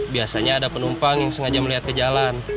biasanya ada penumpang yang sengaja melihat ke jalan